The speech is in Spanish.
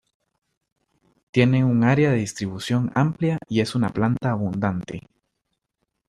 Tiene un área de distribución amplia y es una planta abundante.